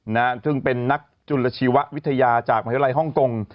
นะฮะซึ่งเป็นนักจุลชีววิทยาจากมหาวิทยาลัยฮ่องกง